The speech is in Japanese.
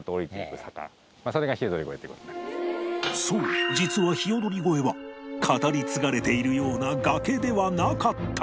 そう実はひよどり越えは語り継がれているような崖ではなかったのだ